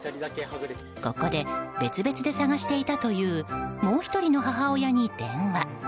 ここで別々で捜していたというもう１人の母親に電話。